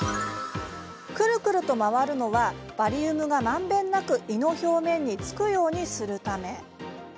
くるくると回るのはバリウムがまんべんなく胃の表面につくようにするため。